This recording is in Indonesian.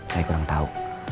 saya kurang tahu